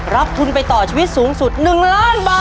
ทุนไปต่อชีวิตสูงสุด๑ล้านบาท